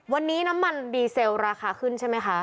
วันนี้น้ำมันดีเซลราคาขึ้นใช่ไหมคะ